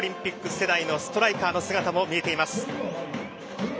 世代のストライカーの姿も見えました。